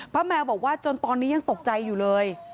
แมวบอกว่าจนตอนนี้ยังตกใจอยู่เลย